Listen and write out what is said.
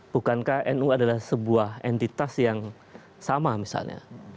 bukankah nu adalah sebuah entitas yang sama misalnya